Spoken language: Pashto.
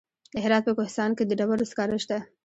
د هرات په کهسان کې د ډبرو سکاره شته.